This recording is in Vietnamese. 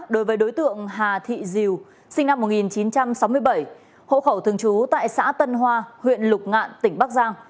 đối với đối tượng hà thị diều sinh năm một nghìn chín trăm sáu mươi bảy hộ khẩu thường trú tại xã tân hoa huyện lục ngạn tỉnh bắc giang